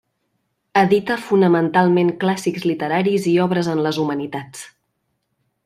Edita fonamentalment clàssics literaris i obres en les humanitats.